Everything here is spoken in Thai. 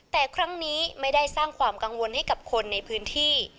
แต่ครั้งนี้ไม่ได้สร้างความกังวลให้กับคนในพื้นที่